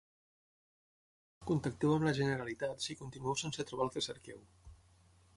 Contacteu amb la Generalitat si continueu sense trobar el que cerqueu.